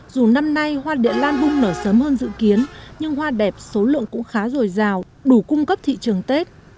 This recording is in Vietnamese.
dù năm nay hoa địa lan hung nở sớm hơn dự kiến nhưng hoa đẹp số lượng cũng khá rồi rào đủ cung cấp thị trường tết